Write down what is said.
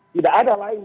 tidak ada lain